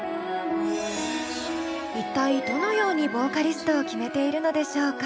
一体どのようにボーカリストを決めているのでしょうか？